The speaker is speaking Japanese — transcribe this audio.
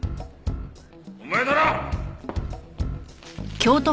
お前だな！？